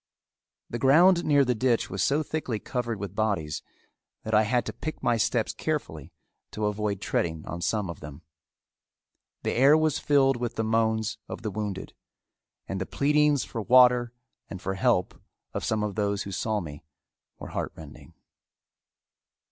The ground near the ditch was so thickly covered with bodies that I had to pick my steps carefully to avoid treading on some of them. The air was filled with the moans of the wounded; and the pleadings for water and for help of some of those who saw me were heartrending.